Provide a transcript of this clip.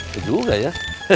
itu juga ya